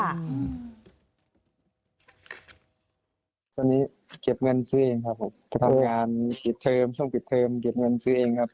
ตอนนี้เก็บเงินซื้อเองครับผมก็ทำงานปิดเทอมช่วงปิดเทอมเก็บเงินซื้อเองครับ